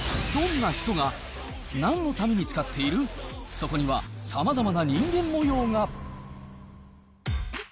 そこにはさまざまな人間模様が。